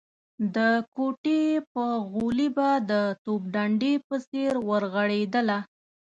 د کوټې په غولي به د توپ ډنډې په څېر ورغړېدله.